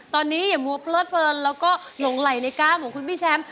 ตอนนี้อย่ามัวเพลิดเพลินแล้วก็หลงไหลในก้ามของคุณพี่แชมป์